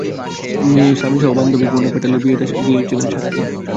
মেয়ে, স্বামীসহ বান্ধবী পূর্ণা প্যাটেলের বিয়েতে গিয়েছিলেন সাক্ষী।